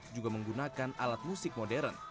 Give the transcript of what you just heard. juga menggunakan alat musik modern